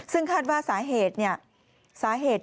ซึ่งคาดว่าสาเหตุ